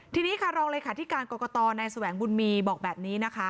ทีนี้ค่ะรองเลขาธิการกรกตในแสวงบุญมีบอกแบบนี้นะคะ